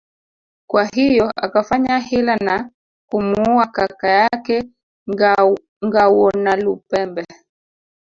Kwa hiyo akafanya hila na kumuua kaka yake Ngawonalupembe